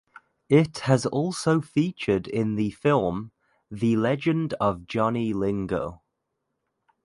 It has also featured in the film"The Legend of Johnny Lingo".